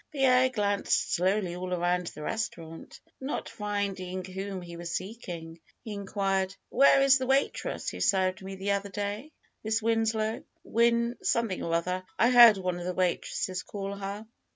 Pierre glanced slowly all around the restaurant; not finding whom he was seeking, he inquired : Where is the waitress who served me the other day ? Miss Winslow, Win — something or other, I heard one of the waitresses call her."